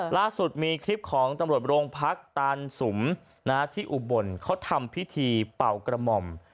ล่าสุดมีคลิปของตำรวจโรงพักตานสุมที่อุบลเขาทำพิธีเป่ากระหม่อม